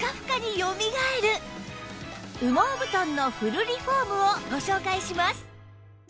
羽毛布団のフルリフォームをご紹介します